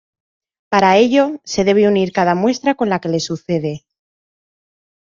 Para ello, se debe unir cada muestra con la que le sucede.